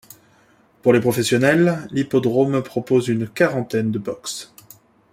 Pour les professionnels, l'hippodrome propose une quarantaine de boxes.